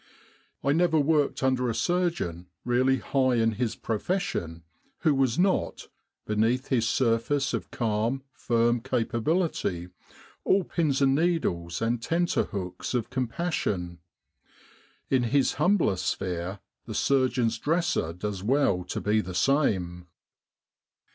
I never worked under a surgeon really high in his profession, who was not, beneath his surface of calm, firm capability, all pins and needles and tenter hooks of compassion. In his humbler sphere, the surgeon's dresser does well to be the same.